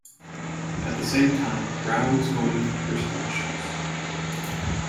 At the same time, Brown was going through personal issues.